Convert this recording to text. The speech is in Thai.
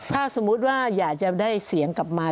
ถ้าสมมุติว่าอยากจะได้เสียงกลับมา